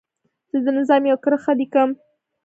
زه د نظم یوه کرښه لیکم.